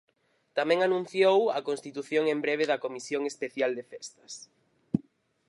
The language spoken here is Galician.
Tamén anunciou a constitución en breve da comisión especial de festas.